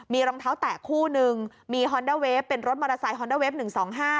มีรองเท้าแตะคู่หนึ่งมีฮอนเดอร์เฟฟเป็นรถมอเตอร์ไซคอนเดอร์เฟฟหนึ่งสองห้า